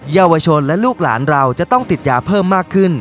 เยาวชนและลูกหลานเราจะต้องติดยาเพิ่มมากขึ้น